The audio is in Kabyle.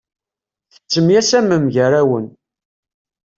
Tettemyasamem gar-awen.